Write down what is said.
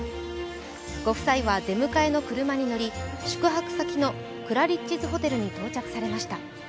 ご夫妻は出迎えの車に乗り宿泊先のクラリッジズホテルに到着されました。